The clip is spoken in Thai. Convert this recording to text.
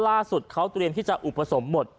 ล่าสุดเขาเตรียมที่จะอุปสมบท